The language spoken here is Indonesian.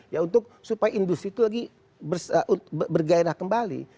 ya untuk supaya industri itu lagi bergairah kembali